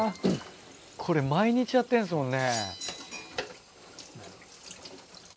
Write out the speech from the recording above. これ毎日やってるんですもんね。